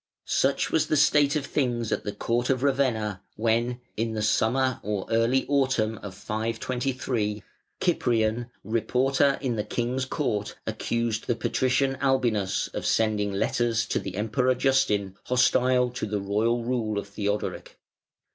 Such was the state of things at the court of Ravenna when, in the summer or early autumn of 523, Cyprian, Reporter in the King's Court, accused the Patrician Albinus of sending letters to the Emperor Justin hostile to the royal rule of Theodoric.